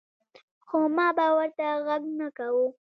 خو ما به ورته غږ نۀ کوۀ ـ